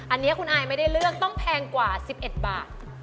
อันนี้คุณอายไม่ได้เลือกต้องแพงกว่า๑๑บาท